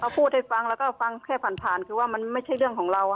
พูดให้ฟังแล้วก็ฟังแค่ผ่านคือว่ามันไม่ใช่เรื่องของเรา